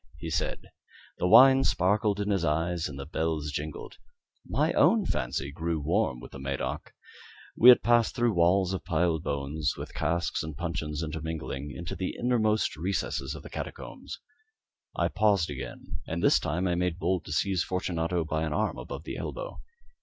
he said. The wine sparkled in his eyes and the bells jingled. My own fancy grew warm with the Medoc. We had passed through walls of piled bones, with casks and puncheons intermingling, into the inmost recesses of catacombs. I paused again, and this time I made bold to seize Fortunato by an arm above the elbow.